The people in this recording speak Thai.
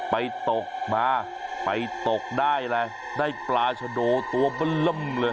ไปตกมาไปตกได้อะไรได้ปลาชะโดตัวเบล่มเลย